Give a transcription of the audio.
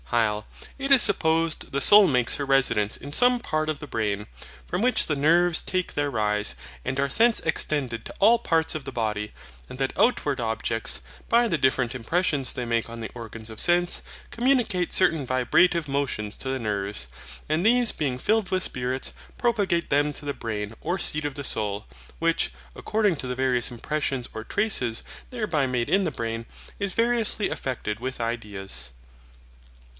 HYL. It is supposed the soul makes her residence in some part of the brain, from which the nerves take their rise, and are thence extended to all parts of the body; and that outward objects, by the different impressions they make on the organs of sense, communicate certain vibrative motions to the nerves; and these being filled with spirits propagate them to the brain or seat of the soul, which, according to the various impressions or traces thereby made in the brain, is variously affected with ideas.